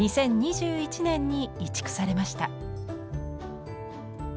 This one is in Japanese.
２０２１年に移築されました。